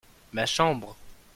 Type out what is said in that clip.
ma chambre.